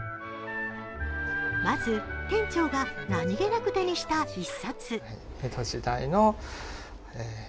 まず店長が何げなく手にした一冊。